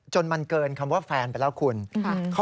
จนมั่นเกินคำแนะโดยสุข